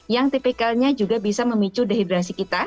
yang tipikalnya juga bisa memicu dehidrasi kita